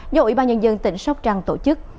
do ủy ban nhân dân tỉnh sóc trăng tổ chức